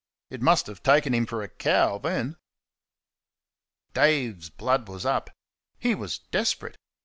It must have taken him for a cow then. Dave's blood was up. He was desperate.